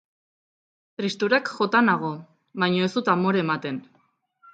Tristurak jota nago, baina ez dut amore ematen.